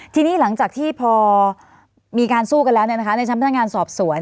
ทีนี้หลังจากที่พอมีการสู้กันแล้วในชั้นพนักงานสอบสวน